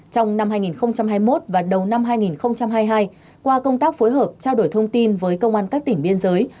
trong năm hai nghìn hai mươi một và đầu năm hai nghìn hai mươi hai qua công tác phối hợp trao đổi thông tin với công an các tỉnh biên giới